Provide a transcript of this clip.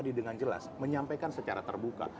tadi dengan jelas menyampaikan secara terbuka